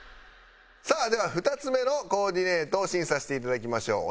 さあでは２つ目のコーディネートを審査していただきましょう。